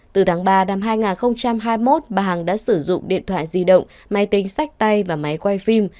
từ tháng ba năm hai nghìn hai mươi một bà hằng đã sử dụng điện thoại di động máy tính sách tay và máy quay phim